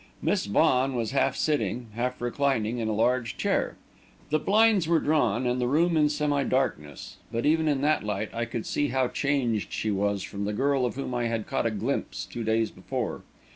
Miss Vaughan was half sitting, half reclining in a large chair. The blinds were drawn and the room in semi darkness, but even in that light I could see how changed she was from the girl of whom I had caught a glimpse two days before.